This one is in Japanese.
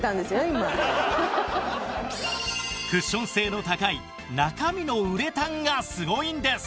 クッション性の高い中身のウレタンがすごいんです